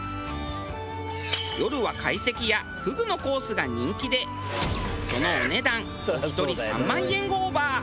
夜は懐石やフグのコースが人気でそのお値段お一人３万円オーバー。